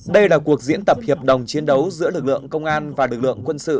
đây là cuộc diễn tập hiệp đồng chiến đấu giữa lực lượng công an và lực lượng quân sự